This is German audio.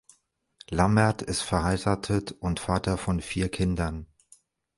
Lammert ist verheiratet und Vater von vier Kindern.